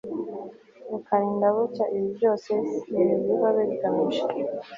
bukarinda bucya ibi byose ni ibiba bigamije